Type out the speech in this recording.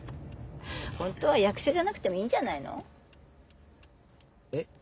本当は役者じゃなくてもいいんじゃないの？え？